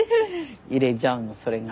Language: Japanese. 入れちゃうのそれが。